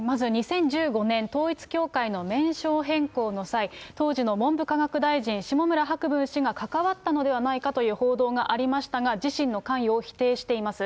まず２０１５年、統一教会の名称変更の際、当時の文部科学大臣、下村博文氏が関わったのではないかという報道がありましたが、自身の関与を否定しています。